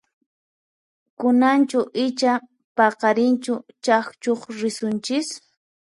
Kunanchu icha paqarinchu chakchuq risunchis?